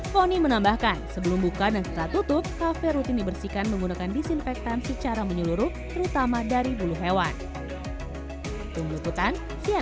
foni menambahkan sebelum buka dan setelah tutup kafe rutin dibersihkan menggunakan disinfektan secara menyeluruh terutama dari bulu hewan